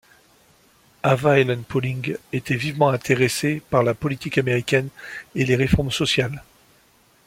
Ava Helen Pauling était vivement intéressée par la politique américaine et les réformes sociales.